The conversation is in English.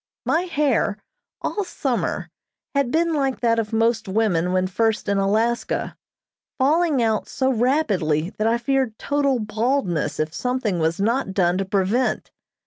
My hair, all summer, had been like that of most women when first in Alaska, falling out so rapidly that I feared total baldness if something was not done to prevent.